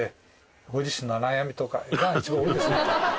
ご自身の悩みとかが一番多いですね。